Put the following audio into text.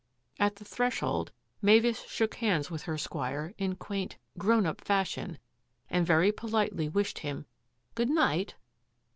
At the threshold Mavis shook hands with her squire in quaint " grown up " fashion, and very politely wished him " good night."